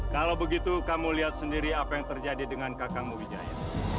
kalau begitu kamu lihat sendiri apa yang terjadi dengan kakakmu wijaya